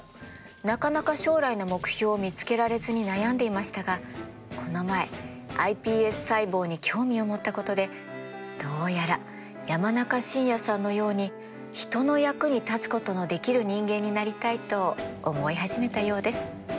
なかなか将来の目標を見つけられずに悩んでいましたがこの前ｉＰＳ細胞に興味を持ったことでどうやら山中伸弥さんのように人の役に立つことのできる人間になりたいと思い始めたようです。